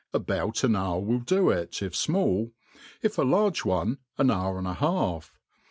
About an hour will do it, if fmall ; if a large one, an hour and a half.